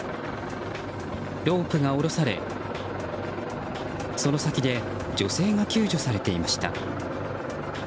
ロープが下ろされ、その先で女性が救助されていました。